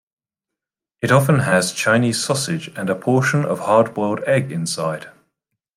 It often has Chinese sausage and a portion of a hard-boiled egg inside.